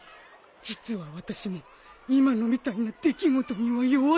実は私も今のみたいな出来事には弱いんだ